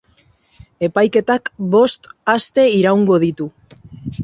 Epaiketak bost aste iraungo ditu.